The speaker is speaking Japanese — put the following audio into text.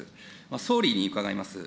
総理に伺います。